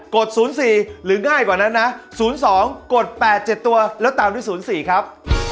ด๐๔หรือง่ายกว่านั้นนะ๐๒กด๘๗ตัวแล้วตามด้วย๐๔ครับ